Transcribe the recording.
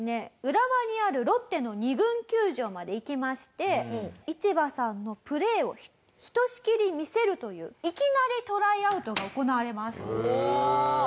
浦和にあるロッテの２軍球場まで行きましてイチバさんのプレーをひとしきり見せるといういきなりトライアウトが行われます。